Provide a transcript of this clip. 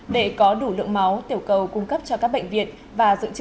để có đủ lượng máu tiểu cầu cung cấp cho các bệnh viện và dự trữ